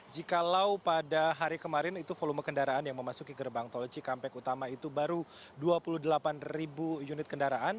jikalau pada hari kemarin itu volume kendaraan yang memasuki gerbang tol cikampek utama itu baru dua puluh delapan ribu unit kendaraan